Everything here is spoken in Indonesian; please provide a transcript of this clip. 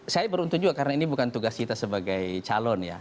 saya beruntung juga karena ini bukan tugas kita sebagai calon ya